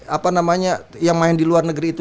apa namanya yang main di luar negeri itu